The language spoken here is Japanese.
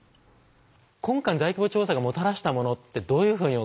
今回の大規模調査がもたらしたものってどういうふうにお考えですか？